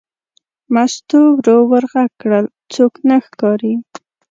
مستو ورو ور غږ کړل: څوک نه ښکاري.